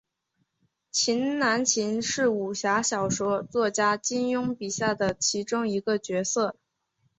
秦南琴是武侠小说作家金庸笔下的其中一个角色。